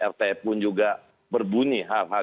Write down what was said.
rt pun juga berbunyi hal hal